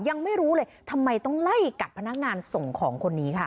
ยังไม่รู้เลยทำไมต้องไล่กัดพนักงานส่งของคนนี้ค่ะ